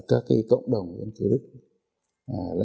hàng đô châu á